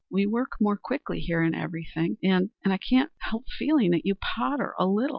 We work more quickly here in everything, and and I still can't help feeling that you potter a little.